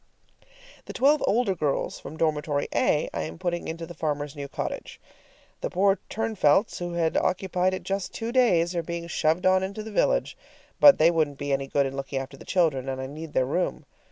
The twelve older girls from dormitory A I am putting into the farmer's new cottage. The poor Turnfelts, who had occupied it just two days, are being shoved on into the village. But they wouldn't be any good in looking after the children, and I need their room.